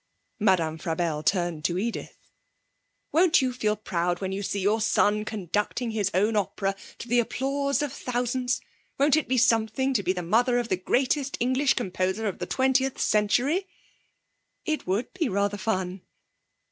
Madame Frabelle turned to Edith. 'Won't you feel proud when you see your son conducting his own opera, to the applause of thousands? Won't it be something to be the mother of the greatest English composer of the twentieth century?' 'It would be rather fun.'